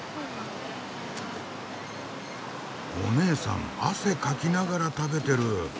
おねえさん汗かきながら食べてる。